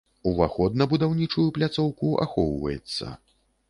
Уваход на будаўнічую пляцоўку ахоўваецца.